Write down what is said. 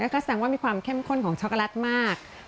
ก็แสดงว่ามีความเข้มข้นของช็อกโกแลตมาก